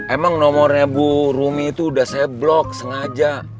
emang nomornya bu rumi itu udah saya blok sengaja